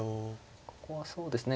ここはそうですね